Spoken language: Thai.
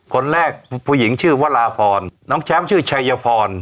คนแรกผู้หญิงชื่อวราพรน้องแชมป์ชื่อชัยพร